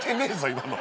今の。